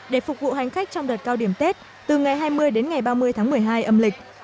để phục vụ hành khách trong đợt cao điểm tết từ ngày hai mươi đến ngày ba mươi tháng một mươi hai âm lịch